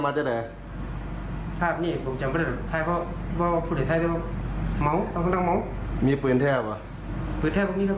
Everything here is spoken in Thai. ก็ก็ทุกอย่างเพราะจะได้กินกดดันจากโควิดเค้า